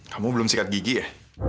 kamu belum sikat gigi ya